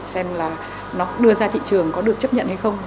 xem là nó đưa ra thị trường có được chấp nhận hay không